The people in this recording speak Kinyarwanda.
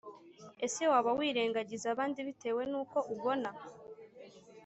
Ese waba wirengagiza abandi bitewe n uko ubona